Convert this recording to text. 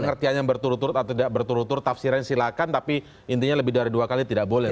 pengertiannya bertutur turut atau tidak bertutur turut tafsirannya silakan tapi intinya lebih dari dua kali tidak boleh ya